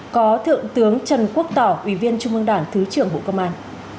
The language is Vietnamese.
có thượng tướng trần quốc tỏ ủy viên trung ương đảng thứ trưởng bộ công an